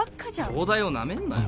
「東大をなめんなよ」